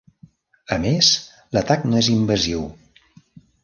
A més, l'atac no és invasiu.